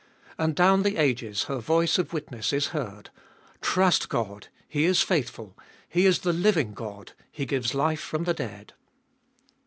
And down the ages her voice of witness is heard : Trust God ; He is faithful ; He is the living God ; He gives life from the dead.